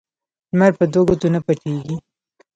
لمر په دوو ګوتو نه پټیږي